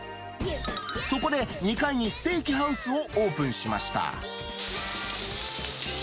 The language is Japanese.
そこで、２階にステーキハウスをオープンしました。